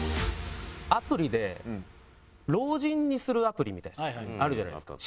アプリで老人にするアプリみたいなのあるじゃないですか。